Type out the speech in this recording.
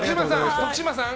徳島さん。